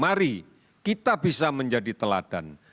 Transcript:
hari ini kita bisa menjadi teladan